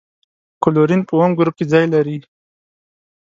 کلورین په اووم ګروپ کې ځای لري.